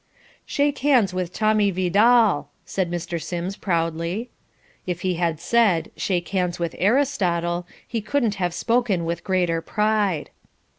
"Shake hands with Tommy Vidal," said Mr. Sims proudly. If he had said, "Shake hands with Aristotle," he couldn't have spoken with greater pride.